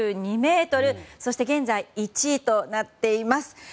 そして現在１位となっています。